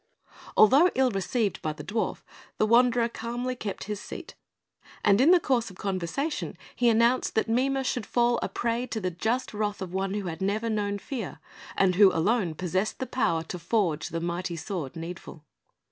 Although ill received by the dwarf, the Wanderer calmly kept his seat; and in the course of conversation, he announced that Mime should fall a prey to the just wrath of one who had never known fear, and who alone possessed the power to forge the mighty sword, Needful.